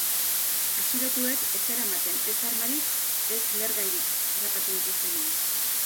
Atxilotuek ez zeramaten ez armarik ez lehergairik harrapatu dituztenean.